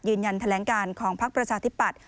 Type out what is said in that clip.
ยืนยันแถลงการของพักประชาธิปัตย